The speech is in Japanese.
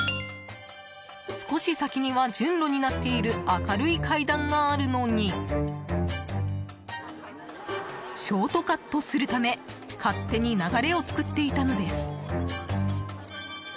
少し先には順路になっている明るい階段があるのにショートカットするため勝手に流れを作っていたのです。